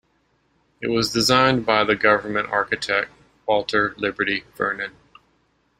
It was designed by the government architect, Walter Liberty Vernon.